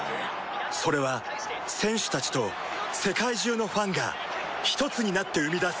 それは選手たちと世界中のファンがひとつになって生み出す